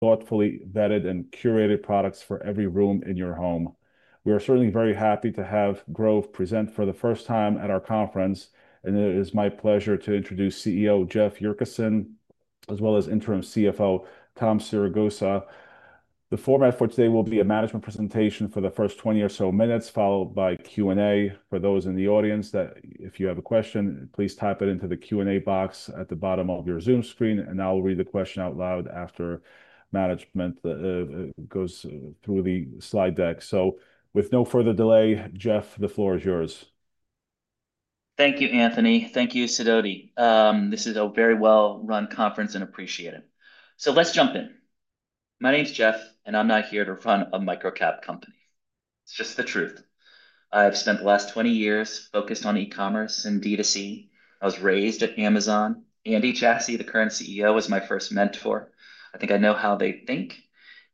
Thoughtfully vetted and curated products for every room in your home. We are certainly very happy to have Grove present for the first time at our conference, and it is my pleasure to introduce CEO Jeff Yurcisin, as well as Interim CFO Tom Siragusa. The format for today will be a management presentation for the first 20 or so minutes, followed by Q&A for those in the audience that, if you have a question, please type it into the Q&A box at the bottom of your Zoom screen, and I'll read the question out loud after management goes through the slide deck. With no further delay, Jeff, the floor is yours. Thank you, Anthony. Thank you, Siddharthi. This is a very well-run conference and appreciate it. Let's jump in. My name's Jeff, and I'm not here to run a microcap company. It's just the truth. I've spent the last 20 years focused on e-commerce and D2C. I was raised at Amazon. Andy Jassy, the current CEO, was my first mentor. I think I know how they think.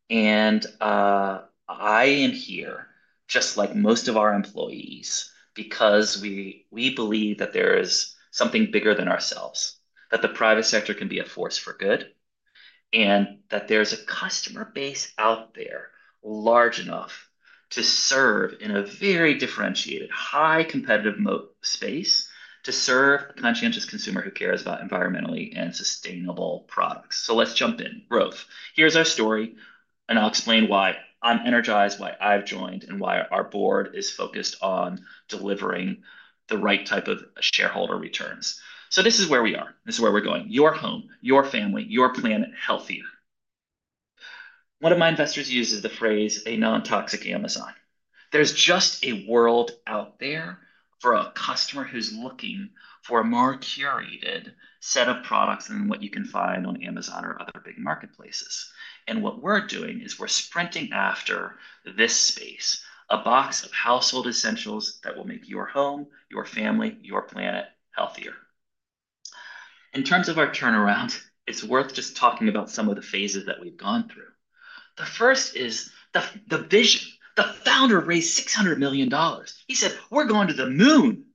I am here just like most of our employees because we believe that there is something bigger than ourselves, that the private sector can be a force for good, and that there's a customer base out there large enough to serve in a very differentiated, high-competitive space, to serve a conscientious consumer who cares about environmentally sustainable products. Let's jump in. Grove, here's our story, and I'll explain why I'm energized, why I've joined, and why our board is focused on delivering the right type of shareholder returns. This is where we are. This is where we're going. Your home, your family, your planet, healthier. One of my investors uses the phrase "a non-toxic Amazon." There's just a world out there for a customer who's looking for a more curated set of products than what you can find on Amazon or other big marketplaces. What we're doing is we're sprinting after this space, a box of household essentials that will make your home, your family, your planet healthier. In terms of our turnaround, it's worth just talking about some of the phases that we've gone through. The first is the vision. The founder raised $600 million. He said, "We're going to the moon."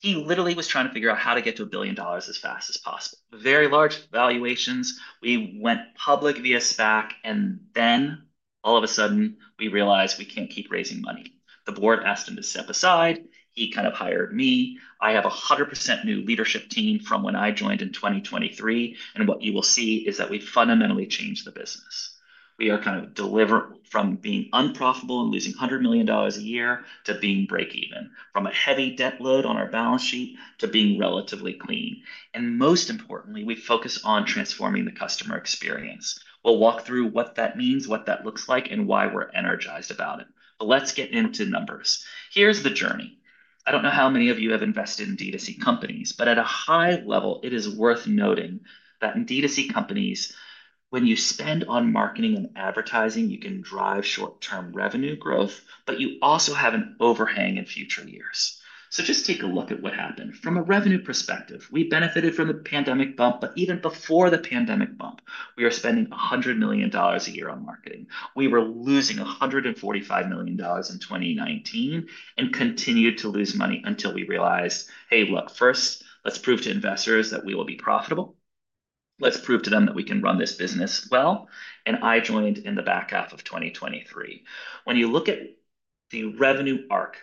He literally was trying to figure out how to get to a billion dollars as fast as possible. Very large valuations. We went public via SPAC, and then all of a sudden, we realized we can't keep raising money. The board asked him to step aside. He kind of hired me. I have a 100% new leadership team from when I joined in 2023, and what you will see is that we fundamentally changed the business. We are kind of delivering from being unprofitable and losing $100 million a year to being break-even, from a heavy debt load on our balance sheet to being relatively clean. Most importantly, we focus on transforming the customer experience. We'll walk through what that means, what that looks like, and why we're energized about it. Let's get into numbers. Here's the journey. I don't know how many of you have invested in D2C companies, but at a high level, it is worth noting that in D2C companies, when you spend on marketing and advertising, you can drive short-term revenue growth, but you also have an overhang in future years. Just take a look at what happened. From a revenue perspective, we benefited from the pandemic bump, but even before the pandemic bump, we were spending $100 million a year on marketing. We were losing $145 million in 2019 and continued to lose money until we realized, "Hey, look, first, let's prove to investors that we will be profitable. Let's prove to them that we can run this business well." I joined in the back half of 2023. When you look at the revenue arc,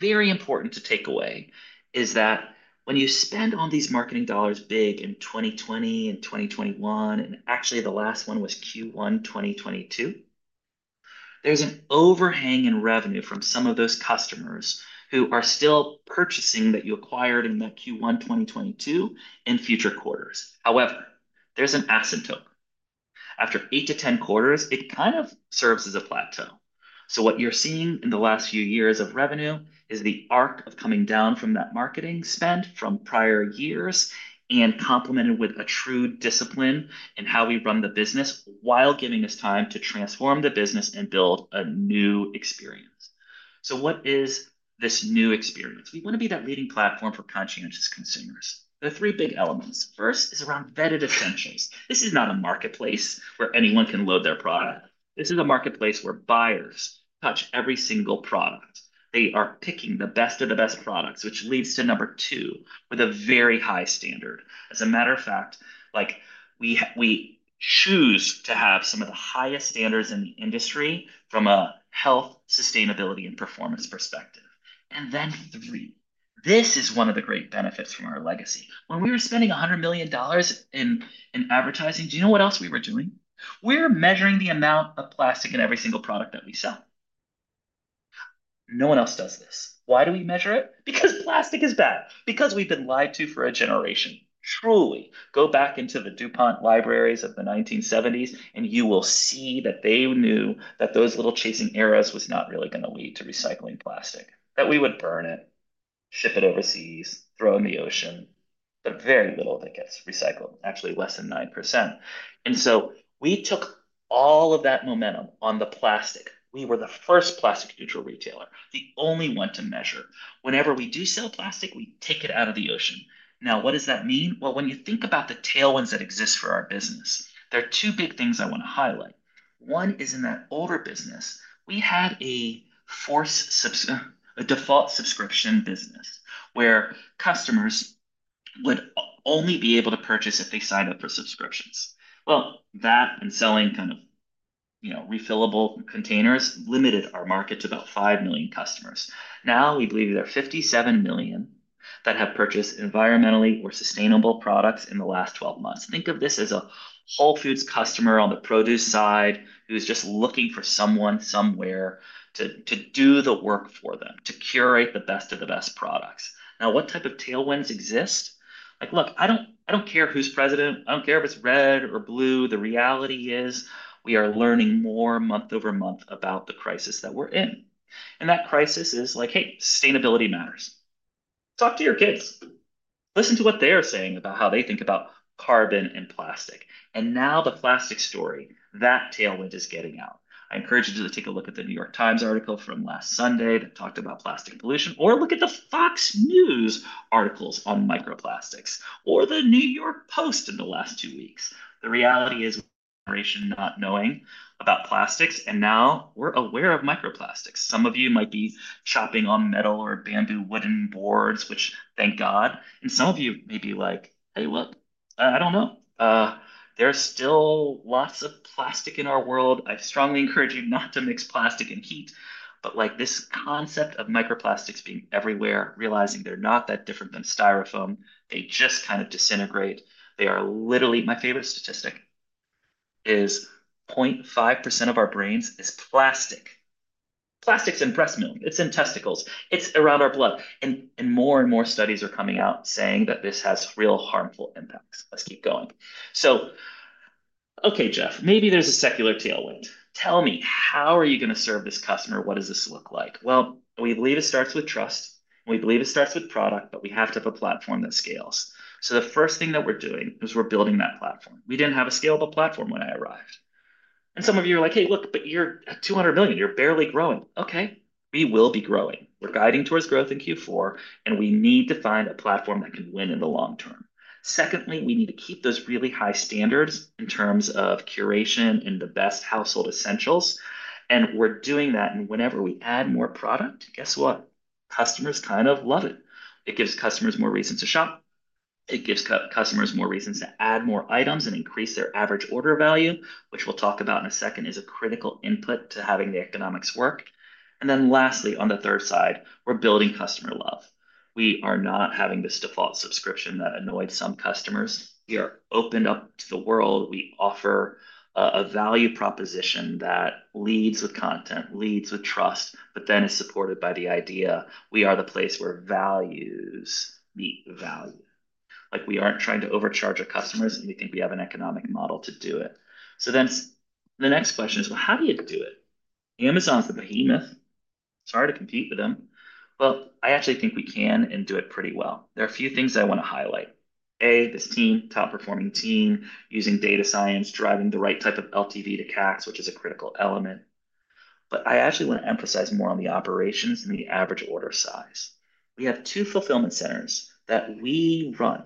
very important to take away is that when you spend on these marketing dollars big in 2020 and 2021, and actually the last one was Q1 2022, there's an overhang in revenue from some of those customers who are still purchasing that you acquired in that Q1 2022 and future quarters. However, there's an asymptotic. After 8 quarters-10 quarters, it kind of serves as a plateau. What you're seeing in the last few years of revenue is the arc of coming down from that marketing spend from prior years and complemented with a true discipline in how we run the business while giving us time to transform the business and build a new experience. What is this new experience? We want to be that leading platform for conscientious consumers. There are three big elements. First is around vetted essentials. This is not a marketplace where anyone can load their product. This is a marketplace where buyers touch every single product. They are picking the best of the best products, which leads to number two with a very high standard. As a matter of fact, we choose to have some of the highest standards in the industry from a health, sustainability, and performance perspective. Three, this is one of the great benefits from our legacy. When we were spending $100 million in advertising, do you know what else we were doing? We're measuring the amount of plastic in every single product that we sell. No one else does this. Why do we measure it? Because plastic is bad. Because we've been lied to for a generation. Truly, go back into the DuPont libraries of the 1970s, and you will see that they knew that those little chasing arrows were not really going to lead to recycling plastic, that we would burn it, ship it overseas, throw it in the ocean, but very little of it gets recycled, actually less than 9%. We took all of that momentum on the plastic. We were the first plastic-neutral retailer, the only one to measure. Whenever we do sell plastic, we take it out of the ocean. Now, what does that mean? When you think about the tailwinds that exist for our business, there are two big things I want to highlight. One is in that older business, we had a forced subscription, a default subscription business where customers would only be able to purchase if they signed up for subscriptions. That and selling kind of, you know, refillable containers limited our market to about 5 million customers. Now we believe there are 57 million that have purchased environmentally or sustainable products in the last 12 months. Think of this as a Whole Foods customer on the produce side who's just looking for someone somewhere to do the work for them, to curate the best of the best products. What type of tailwinds exist? Look, I don't care who's president. I don't care if it's red or blue. The reality is we are learning more month over month about the crisis that we're in. That crisis is like, hey, sustainability matters. Talk to your kids. Listen to what they're saying about how they think about carbon and plastic. Now the plastic story, that tailwind is getting out. I encourage you to take a look at the New York Times article from last Sunday that talked about plastic pollution, or look at the Fox News articles on microplastics, or the New York Post in the last two weeks. The reality is we're a generation not knowing about plastics, and now we're aware of microplastics. Some of you might be chopping on metal or bamboo wooden boards, which thank God. Some of you may be like, hey, look, I don't know, there's still lots of plastic in our world. I strongly encourage you not to mix plastic and heat. This concept of microplastics being everywhere, realizing they're not that different than styrofoam, they just kind of disintegrate. They are literally, my favorite statistic is 0.5% of our brains is plastic. Plastic's in breast milk. It's in testicles. It's around our blood. More and more studies are coming out saying that this has real harmful impacts. Let's keep going. Okay, Jeff, maybe there's a secular tailwind. Tell me, how are you going to serve this customer? What does this look like? We believe it starts with trust. We believe it starts with product, but we have to have a platform that scales. The first thing that we're doing is we're building that platform. We didn't have a scalable platform when I arrived. Some of you are like, hey, look, but you're at $200 million. You're barely growing. We will be growing. We're guiding towards growth in Q4, and we need to find a platform that can win in the long term. Secondly, we need to keep those really high standards in terms of curation and the best household essentials. We're doing that. Whenever we add more product, guess what? Customers kind of love it. It gives customers more reason to shop. It gives customers more reasons to add more items and increase their average order value, which we'll talk about in a second, is a critical input to having the economics work. Lastly, on the third side, we're building customer love. We are not having this default subscription that annoyed some customers. We are opened up to the world. We offer a value proposition that leads with content, leads with trust, but then is supported by the idea we are the place where values meet value. We aren't trying to overcharge our customers and we think we have an economic model to do it. The next question is, how do you do it? Amazon's a behemoth. It's hard to compete with them. I actually think we can and do it pretty well. There are a few things I want to highlight. A, this team, top performing team, using data science, driving the right type of LTV to CACs, which is a critical element. I actually want to emphasize more on the operations and the average order size. We have two fulfillment centers that we run.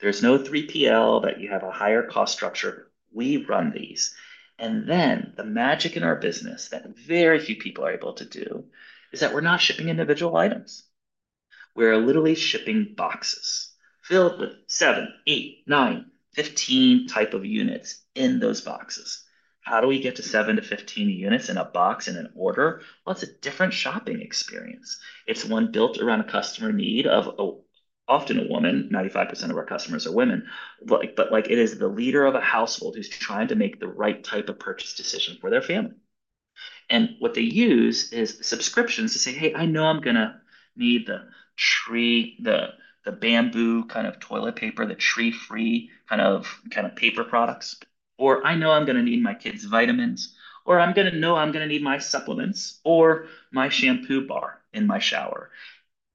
There's no 3PL that you have a higher cost structure. We run these. The magic in our business that very few people are able to do is that we're not shipping individual items. We're literally shipping boxes filled with 7, 8, 9, 15 type of units in those boxes. How do we get to 7 units-15 units in a box in an order? It's a different shopping experience. It's one built around a customer need of often a woman. 95% of our customers are women. It is the leader of a household who's trying to make the right type of purchase decision for their family. What they use is subscriptions to say, "Hey, I know I'm going to need the tree, the bamboo kind of toilet paper, the tree-free kind of paper products," or "I know I'm going to need my kids' vitamins," or "I'm going to know I'm going to need my supplements or my shampoo bar in my shower."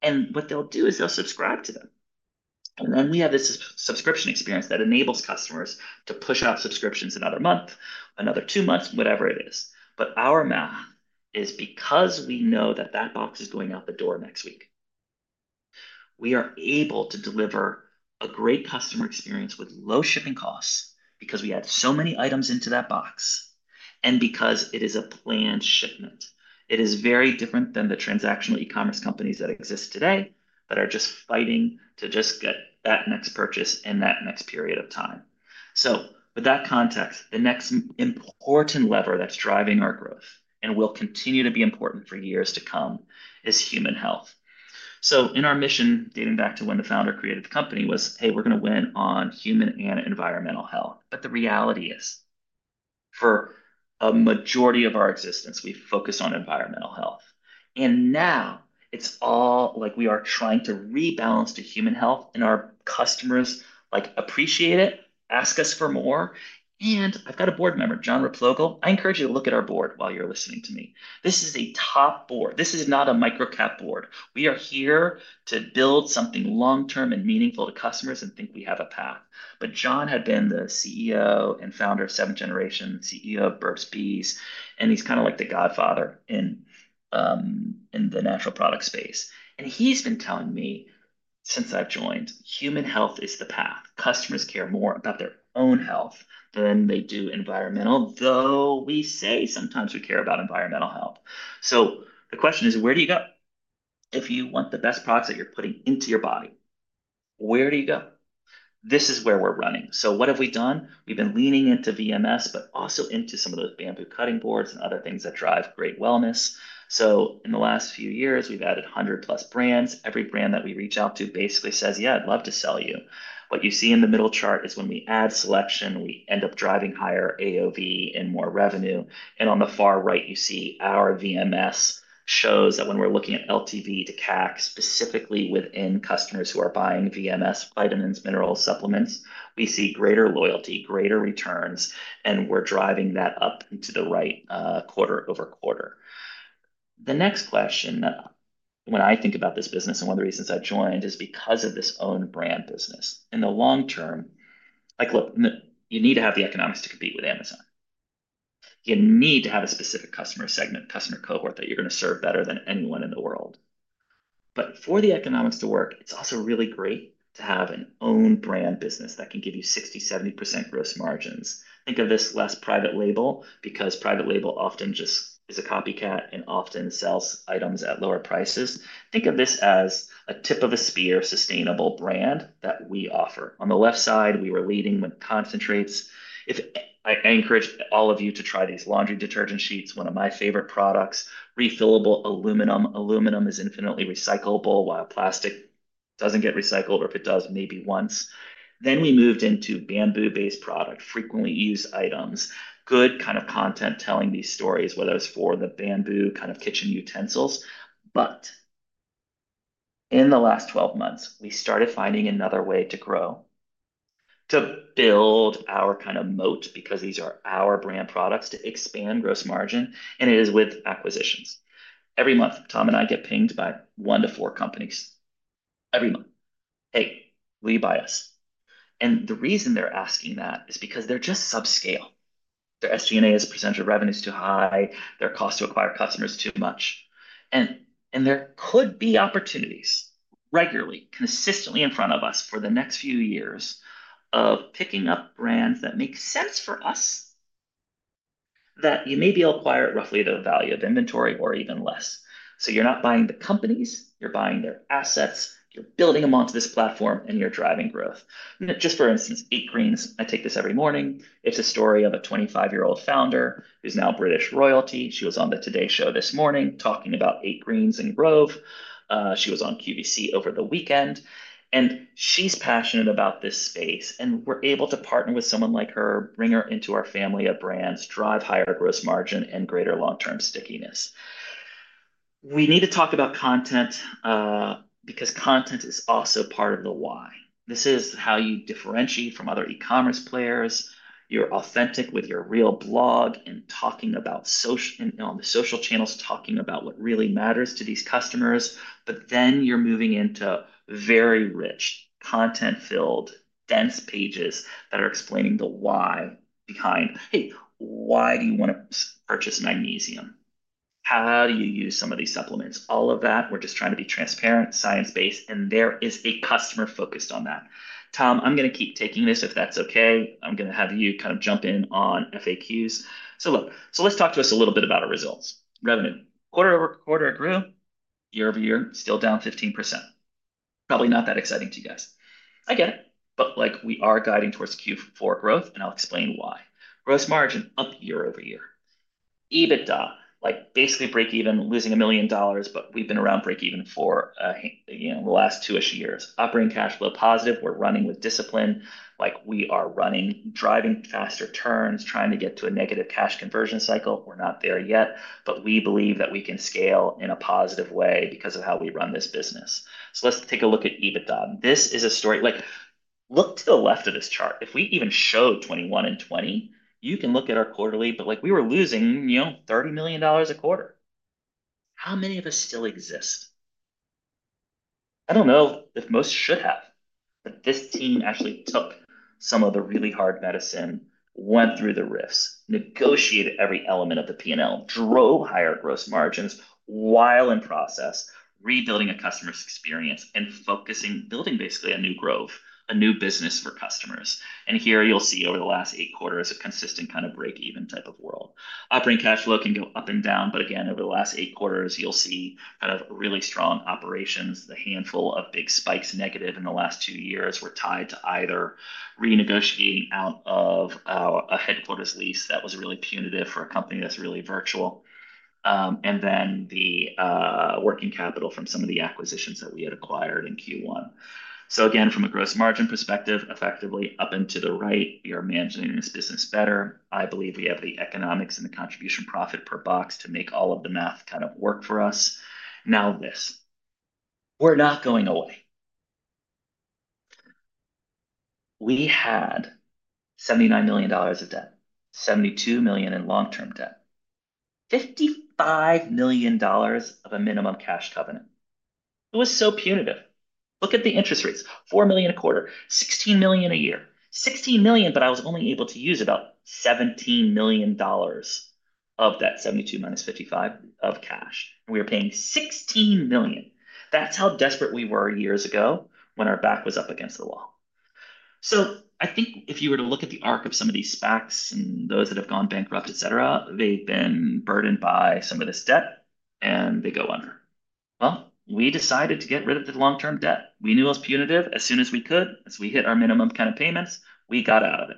What they'll do is they'll subscribe to them. We have this subscription experience that enables customers to push off subscriptions another month, another two months, whatever it is. Our math is because we know that that box is going out the door next week, we are able to deliver a great customer experience with low shipping costs because we add so many items into that box and because it is a planned shipment. It is very different than the transactional e-commerce companies that exist today that are just fighting to just get that next purchase in that next period of time. With that context, the next important lever that's driving our growth and will continue to be important for years to come is human health. In our mission, dating back to when the founder created the company, it was, "Hey, we're going to win on human and environmental health." The reality is for a majority of our existence, we focus on environmental health. Now it's all like we are trying to rebalance to human health, and our customers appreciate it, ask us for more. I've got a board member, John Replogle. I encourage you to look at our board while you're listening to me. This is a top board. This is not a microcap board. We are here to build something long-term and meaningful to customers and think we have a path. John had been the CEO and founder of Seventh Generation, CEO of Burt's Bees, and he's kind of like the godfather in the natural product space. He's been telling me since I've joined, "Human health is the path. Customers care more about their own health than they do environmental, though we say sometimes we care about environmental health." The question is, where do you go? If you want the best products that you're putting into your body, where do you go? This is where we're running. What have we done? We've been leaning into VMS, but also into some of those bamboo cutting boards and other things that drive great wellness. In the last few years, we've added 100+ brands. Every brand that we reach out to basically says, "Yeah, I'd love to sell you." What you see in the middle chart is when we add selection, we end up driving higher AOV and more revenue. On the far right, you see our VMS shows that when we're looking at LTV to CAC, specifically within customers who are buying VMS, vitamins, minerals, supplements, we see greater loyalty, greater returns, and we're driving that up into the right quarter-over-quarter. The next question that when I think about this business and one of the reasons I joined is because of this own brand business. In the long term, like look, you need to have the economics to compete with Amazon. You need to have a specific customer segment, customer cohort that you're going to serve better than anyone in the world. For the economics to work, it's also really great to have an own brand business that can give you 60%-70% gross margins. Think of this less private label because private label often just is a copycat and often sells items at lower prices. Think of this as a tip of a spear sustainable brand that we offer. On the left side, we were leading with concentrates. I encourage all of you to try these laundry detergent sheets, one of my favorite products, refillable aluminum. Aluminum is infinitely recyclable while plastic doesn't get recycled, or if it does, maybe once. We moved into bamboo-based products, frequently used items, good kind of content telling these stories, whether it's for the bamboo kind of kitchen utensils. In the last 12 months, we started finding another way to grow, to build our kind of moat because these are our brand products to expand gross margin, and it is with acquisitions. Every month, Tom and I get pinged by 1 company-4 companies every month. "Hey, will you buy us?" The reason they're asking that is because they're just subscale. Their SG&A as a percentage of revenue is too high. Their cost to acquire customers is too much. There could be opportunities regularly, consistently in front of us for the next few years of picking up brands that make sense for us that you may be able to acquire at roughly the value of inventory or even less. You're not buying the companies. You're buying their assets. You're building them onto this platform, and you're driving growth. Just for instance, 8Greens. I take this every morning. It's a story of a 25-year-old founder who's now British royalty. She was on the Today Show this morning talking about 8Greens and Grove. She was on QVC over the weekend. She's passionate about this space, and we're able to partner with someone like her, bring her into our family of brands, drive higher gross margin, and greater long-term stickiness. We need to talk about content because content is also part of the why. This is how you differentiate from other e-commerce players. You're authentic with your real blog and talking about social and on the social channels, talking about what really matters to these customers. You're moving into very rich, content-filled, dense pages that are explaining the why behind, "Hey, why do you want to purchase magnesium? How do you use some of these supplements?" All of that, we're just trying to be transparent, science-based, and there is a customer focused on that. Tom, I'm going to keep taking this if that's okay. I'm going to have you kind of jump in on FAQs. Look, let's talk to us a little bit about our results. Revenue, quarter-over-quarter grew, year-over-year, still down 15%. Probably not that exciting to you guys. I get it. We are guiding towards Q4 growth, and I'll explain why. Gross margin up year-over-year. EBITDA, like basically break even, losing $1 million, but we've been around break even for the last two-ish years. Operating cash flow positive. We're running with discipline. We are running, driving faster turns, trying to get to a negative cash conversion cycle. We're not there yet, but we believe that we can scale in a positive way because of how we run this business. Let's take a look at EBITDA. This is a story, look to the left of this chart. If we even showed 2021 and 2020, you can look at our quarterly, but we were losing $30 million a quarter. How many of us still exist? I don't know if most should have, but this team actually took some of the really hard medicine, went through the risks, negotiated every element of the P&L, drove higher gross margins while in process, rebuilding a customer's experience and focusing, building basically a new growth, a new business for customers. Here you'll see over the last eight quarters, a consistent kind of break-even type of world. Operating cash flow can go up and down, but again, over the last eight quarters, you'll see kind of really strong operations. The handful of big spikes negative in the last two years were tied to either renegotiating out of a headquarters lease that was really punitive for a company that's really virtual, and then the working capital from some of the acquisitions that we had acquired in Q1. Again, from a gross margin perspective, effectively up into the right, we are managing this business better. I believe we have the economics and the contribution profit per box to make all of the math kind of work for us. Now this, we're not going away. We had $79 million of debt, $72 million in long-term debt, $55 million of a minimum cash covenant. It was so punitive. Look at the interest rates, $4 million a quarter, $16 million a year, $16 million, but I was only able to use about $17 million of that $72 million minus $55 million of cash. We were paying $16 million. That's how desperate we were years ago when our back was up against the wall. I think if you were to look at the arc of some of these SPACs and those that have gone bankrupt, etc., they've been burdened by some of this debt and they go under. We decided to get rid of the long-term debt. We knew it was punitive as soon as we could. As we hit our minimum kind of payments, we got out of it.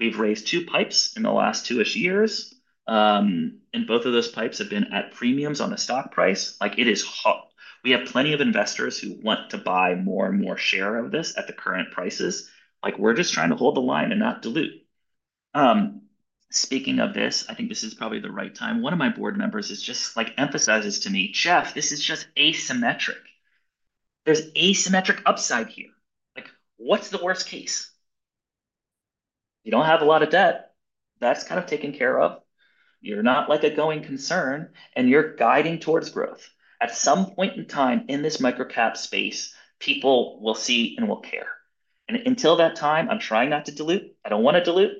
We've raised two pipes in the last two-ish years, and both of those pipes have been at premiums on the stock price. Like it is hot. We have plenty of investors who want to buy more and more share of this at the current prices. Like we're just trying to hold the line and not dilute. Speaking of this, I think this is probably the right time. One of my board members just like emphasizes to me, "Jeff, this is just asymmetric. There's asymmetric upside here. Like what's the worst case? You don't have a lot of debt. That's kind of taken care of. You're not like a going concern and you're guiding towards growth. At some point in time in this microcap space, people will see and will care. Until that time, I'm trying not to dilute. I don't want to dilute.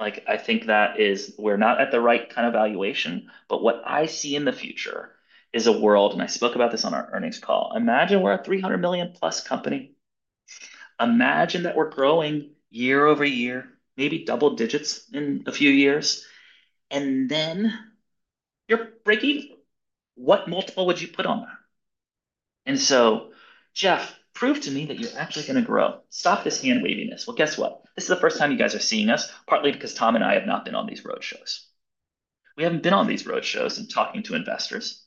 Like I think that is we're not at the right kind of valuation, but what I see in the future is a world, and I spoke about this on our earnings call. Imagine we're a $300 million plus company. Imagine that we're growing year-over-year, maybe double digits in a few years, and then you're break even. What multiple would you put on that? Jeff, prove to me that you're actually going to grow. Stop this hand-waviness. Guess what? This is the first time you guys are seeing us, partly because Tom and I have not been on these road shows. We haven't been on these road shows and talking to investors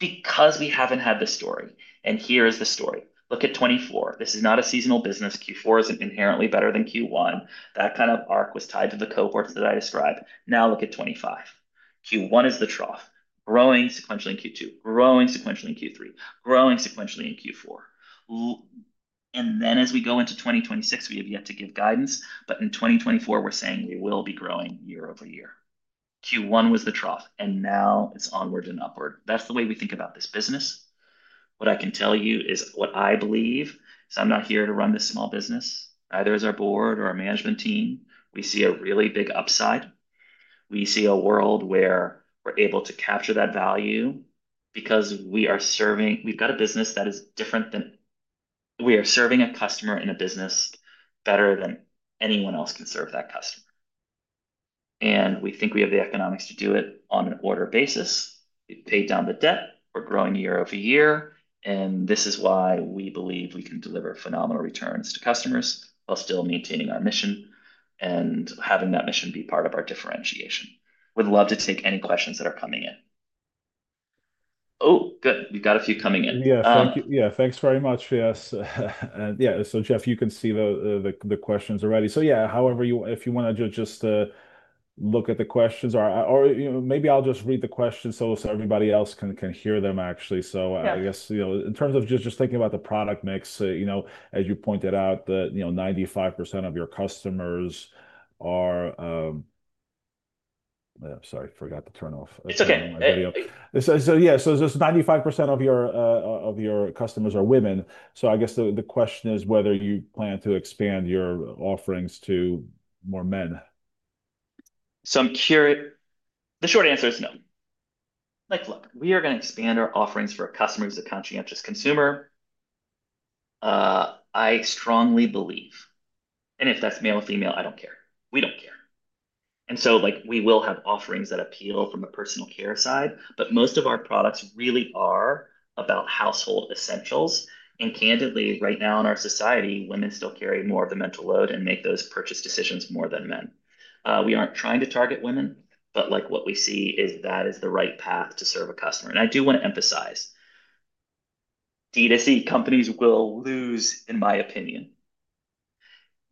because we haven't had the story. Here is the story. Look at 2024. This is not a seasonal business. Q4 is inherently better than Q1. That kind of arc was tied to the cohorts that I described. Now look at 2025. Q1 is the trough, growing sequentially in Q2, growing sequentially in Q3, growing sequentially in Q4. As we go into 2026, we have yet to give guidance, but in 2024, we're saying we will be growing year-over-year. Q1 was the trough, and now it's onward and upward. That's the way we think about this business. What I can tell you is what I believe, is I'm not here to run this small business. Neither is our Board or our management team. We see a really big upside. We see a world where we're able to capture that value because we are serving, we've got a business that is different, and we are serving a customer in a business better than anyone else can serve that customer. We think we have the economics to do it on an order basis. We've paid down the debt. We're growing year-over-year. This is why we believe we can deliver phenomenal returns to customers while still maintaining our mission and having that mission be part of our differentiation. We'd love to take any questions that are coming in. Oh, good. We've got a few coming in. Thank you. Yes, Jeff, you can see the questions already. If you want to just look at the questions or maybe I'll just read the questions so everybody else can hear them actually. I guess, in terms of just thinking about the product mix, as you pointed out, 95% of your customers are, sorry, I forgot to turn off my video. There's 95% of your customers are women. I guess the question is whether you plan to expand your offerings to more men. I'm curious. The short answer is no. Look, we are going to expand our offerings for customers as a conscientious consumer. I strongly believe, and if that's male or female, I don't care. We don't care. We will have offerings that appeal from a personal care side, but most of our products really are about household essentials. Candidly, right now in our society, women still carry more of the mental load and make those purchase decisions more than men. We aren't trying to target women, but what we see is that is the right path to serve a customer. I do want to emphasize, D2C companies will lose, in my opinion,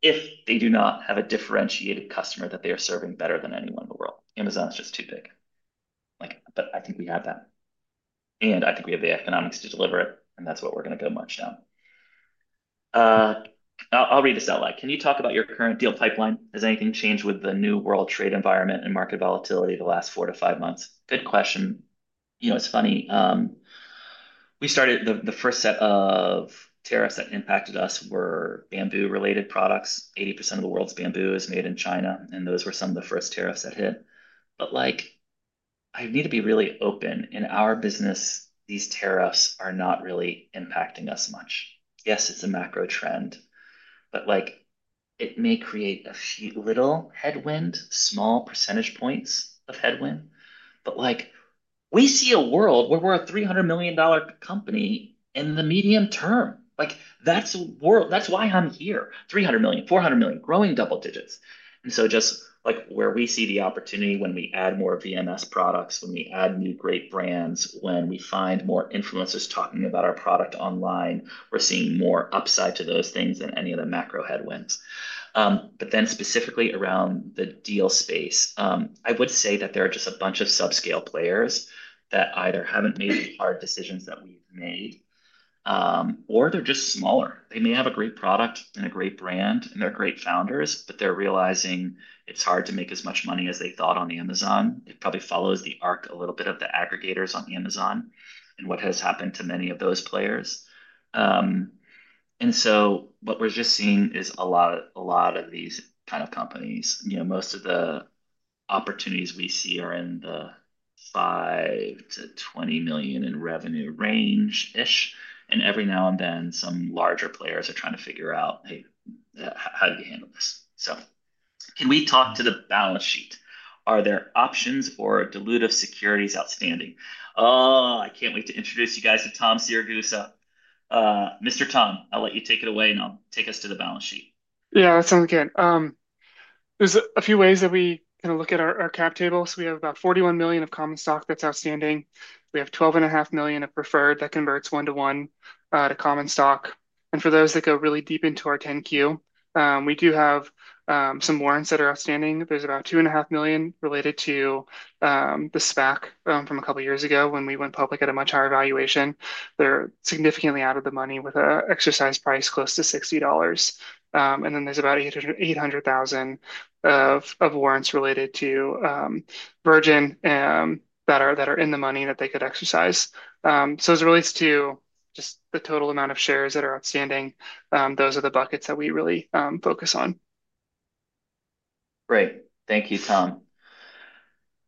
if they do not have a differentiated customer that they are serving better than anyone in the world. Amazon is just too big. I think we have that. I think we have the economics to deliver it. That's what we're going to go much down. I'll read this out loud. Can you talk about your current deal pipeline? Has anything changed with the new world trade environment and market volatility the last four to five months? Good question. It's funny. We started, the first set of tariffs that impacted us were bamboo related products. 80% of the world's bamboo is made in China, and those were some of the first tariffs that hit. I need to be really open. In our business, these tariffs are not really impacting us much. Yes, it's a macro trend, but it may create a few little headwind, small percentage points of headwind. We see a world where we're a $300 million company in the medium term. That's a world. That's why I'm here. $300 million, $400 million, growing double digits. Where we see the opportunity when we add more VMS products, when we add new great brands, when we find more influencers talking about our product online, we're seeing more upside to those things than any of the macro headwinds. Specifically around the deal space, I would say that there are just a bunch of subscale players that either haven't made the hard decisions that we've made, or they're just smaller. They may have a great product and a great brand and they're great founders, but they're realizing it's hard to make as much money as they thought on Amazon. It probably follows the arc a little bit of the aggregators on Amazon and what has happened to many of those players. What we're just seeing is a lot of these kind of companies. Most of the opportunities we see are in the $5 million-$20 million in revenue range. Every now and then, some larger players are trying to figure out, "Hey, how do you handle this?" Can we talk to the balance sheet? Are there options or dilutive securities outstanding? I can't wait to introduce you guys to Tom Siragusa. Mr. Tom, I'll let you take it away and I'll take us to the balance sheet. Yeah, that sounds good. There are a few ways that we kind of look at our cap table. We have about $41 million of common stock that's outstanding. We have $12.5 million of preferred that converts one-to-one to common stock. For those that go really deep into our 10-Q, we do have some warrants that are outstanding. There's about $2.5 million related to the SPAC from a couple of years ago when we went public at a much higher valuation. They're significantly out of the money with an exercise price close to $60. There's about $800,000 of warrants related to Virgin that are in the money that they could exercise. As it relates to just the total amount of shares that are outstanding, those are the buckets that we really focus on. Great. Thank you, Tom.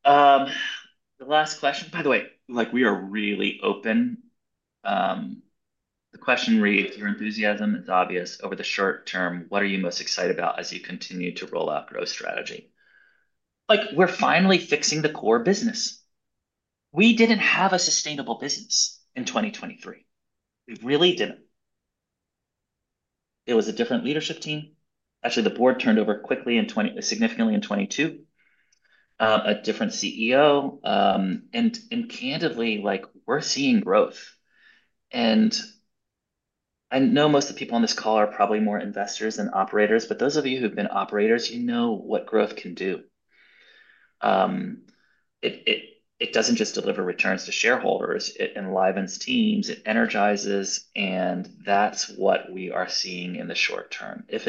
The last question, by the way, we are really open. The question reads, "Your enthusiasm is obvious. Over the short term, what are you most excited about as you continue to roll out Growth Strategy?" We are finally fixing the core business. We didn't have a sustainable business in 2023. We really didn't. It was a different leadership team. Actually, the board turned over quickly and significantly in 2022, a different CEO. Candidly, we are seeing growth. I know most of the people on this call are probably more investors than operators, but those of you who've been operators, you know what growth can do. It doesn't just deliver returns to shareholders. It enlivens teams. It energizes. That is what we are seeing in the short term. If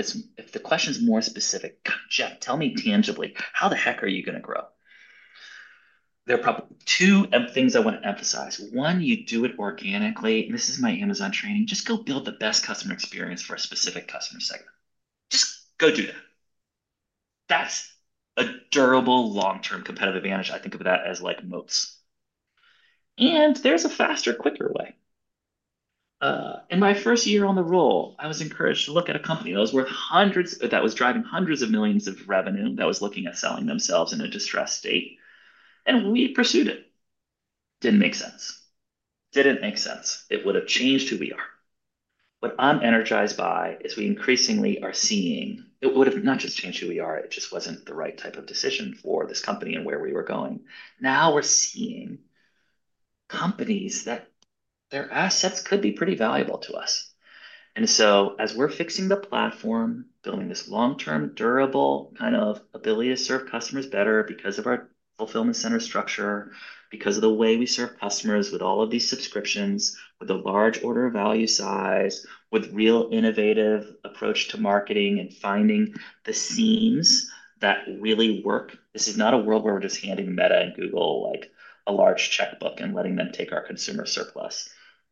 the question's more specific, Jeff, tell me tangibly, how the heck are you going to grow? There are probably two things I want to emphasize. One, you do it organically. This is my Amazon training. Just go build the best customer experience for a specific customer segment. Just go do that. That is a durable long-term competitive advantage. I think of that as moats. There is a faster, quicker way. In my first year on the role, I was encouraged to look at a company that was driving hundreds of millions of revenue, that was looking at selling themselves in a distressed state. We pursued it. Didn't make sense. Didn't make sense. It would have changed who we are. What I'm energized by is we increasingly are seeing it would have not just changed who we are. It just wasn't the right type of decision for this company and where we were going. Now we are seeing companies that their assets could be pretty valuable to us. As we are fixing the platform, building this long-term durable kind of ability to serve customers better because of our fulfillment center structure, because of the way we serve customers with all of these subscriptions, with a large order of value size, with real innovative approach to marketing and finding the seams that really work. This is not a world where we are just handing Meta and Google a large checkbook and letting them take our consumer surplus.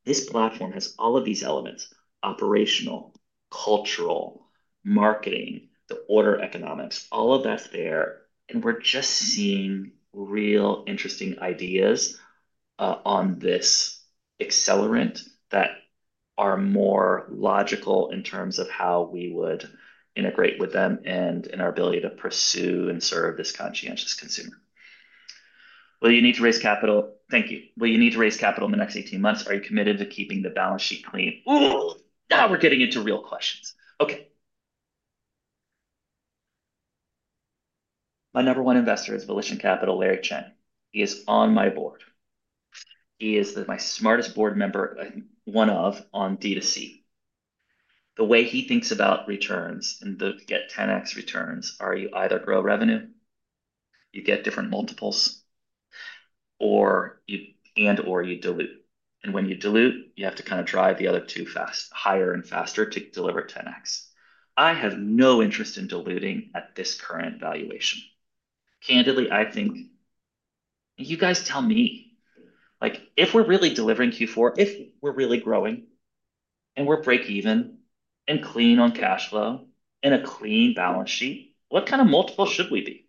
This platform has all of these elements: operational, cultural, marketing, the order economics, all of that is there. We're just seeing real interesting ideas on this accelerant that are more logical in terms of how we would integrate with them and in our ability to pursue and serve this conscientious consumer. Will you need to raise capital? Thank you. Will you need to raise capital in the next 18 months? Are you committed to keeping the balance sheet clean? Now we're getting into real questions. My number one investor is Volition Capital, Larry Chen. He is on my board. He is my smartest board member, one of on D2C. The way he thinks about returns and the get 10x returns are you either grow revenue, you get different multiples, or you and/or you dilute. When you dilute, you have to kind of drive the other two fast, higher and faster to deliver 10x. I have no interest in diluting at this current valuation. Candidly, I think you guys tell me, like if we're really delivering Q4, if we're really growing and we're break even and clean on cash flow and a clean balance sheet, what kind of multiple should we be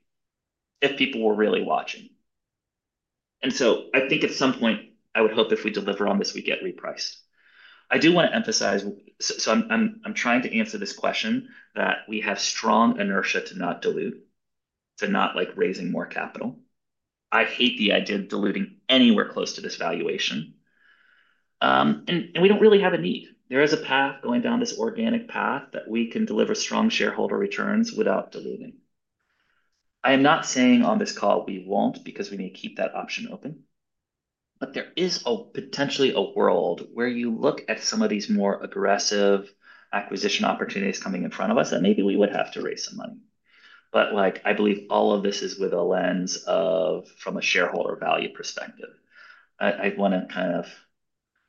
if people were really watching? I think at some point, I would hope if we deliver on this, we get repriced. I do want to emphasize, so I'm trying to answer this question that we have strong inertia to not dilute, to not like raising more capital. I hate the idea of diluting anywhere close to this valuation. We don't really have a need. There is a path going down this organic path that we can deliver strong shareholder returns without diluting. I am not saying on this call we won't because we need to keep that option open. There is potentially a world where you look at some of these more aggressive acquisition opportunities coming in front of us that maybe we would have to raise some money. I believe all of this is with a lens of from a shareholder value perspective. I want to kind of,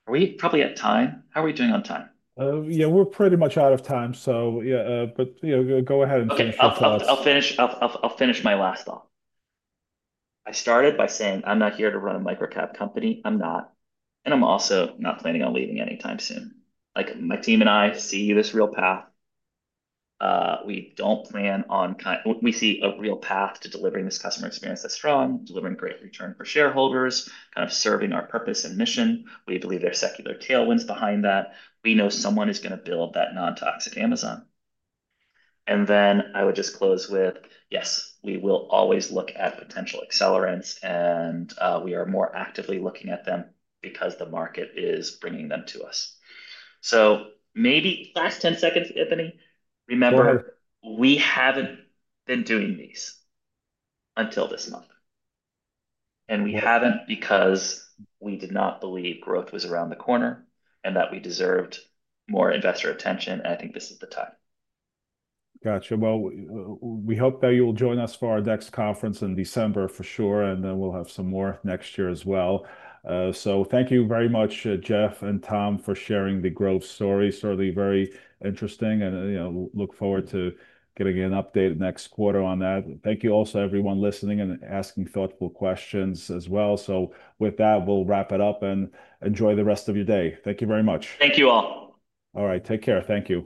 are we probably at time? How are we doing on time? Yeah, we're pretty much out of time, but you know, go ahead and finish. I'll finish my last thought. I started by saying I'm not here to run a microcap company. I'm not. I'm also not planning on leaving anytime soon. My team and I see this real path. We don't plan on, we see a real path to delivering this customer experience that's strong, delivering great return for shareholders, kind of serving our purpose and mission. We believe there are secular tailwinds behind that. We know someone is going to build that non-toxic Amazon. I would just close with, yes, we will always look at potential accelerants, and we are more actively looking at them because the market is bringing them to us. Maybe last 10 seconds, Anthony, remember we haven't been doing these until this month. We haven't because we did not believe growth was around the corner and that we deserved more investor attention. I think this is the time. Gotcha. We hope that you will join us for our next conference in December for sure. We'll have some more next year as well. Thank you very much, Jeff and Tom, for sharing the growth story. Certainly very interesting. You know, look forward to getting an update next quarter on that. Thank you also, everyone listening and asking thoughtful questions as well. With that, we'll wrap it up and enjoy the rest of your day. Thank you very much. Thank you all. All right, take care. Thank you.